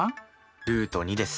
ルート２です。